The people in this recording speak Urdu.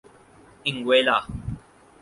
انگوئیلا